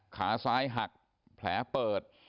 ขาซ้ายหักแผลเปิด